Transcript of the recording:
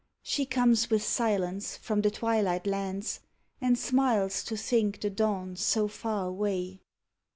She comes with Silence from the twilight lands, And smiles to think the dawn so far away.